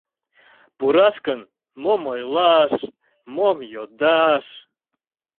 Пураш гын, мом ойлаш, мом йодаш?..